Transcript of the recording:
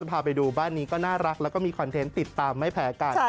พาไปดูบ้านนี้ก็น่ารักแล้วก็มีคอนเทนต์ติดตามไม่แพ้กัน